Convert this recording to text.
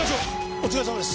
お疲れさまです。